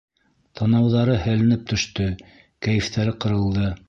Танауҙары һәленеп төштө, кәйефтәре ҡырылды.